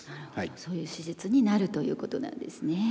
そういう手術になるということなんですね。